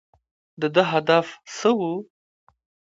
د ده هدف څه و ؟